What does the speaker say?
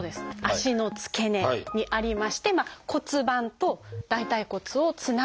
足の付け根にありまして骨盤と大腿骨をつなぐ関節。